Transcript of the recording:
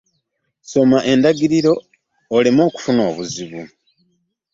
Soma endagiriro oleme kufuna buzibu.